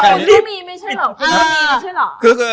ลูกถ้ามีมะใช่หรอก